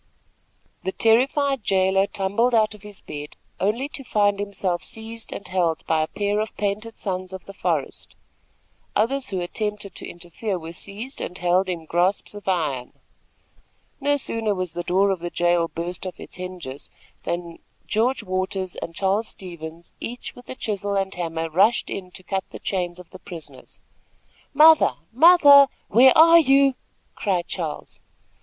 The terrified jailer tumbled out of his bed, only to find himself seized and held by a pair of painted sons of the forest. Others who attempted to interfere were seized and held in grasps of iron. [Illustration: The jail trembled to its very centre.] No sooner was the door of the jail burst off its hinges, than George Waters and Charles Stevens, each with a chisel and hammer, rushed in to cut the chains of the prisoners. "Mother! mother! where are you?" cried Charles.